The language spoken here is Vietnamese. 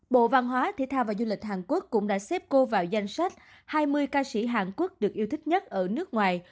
bộ văn hóa thể thao và du lịch hàn quốc cũng đã xếp cô vào danh sách hai mươi ca sĩ hàn quốc được yêu thích nhất ở nước ngoài